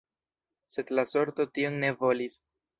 Sed la sorto tion ne volis.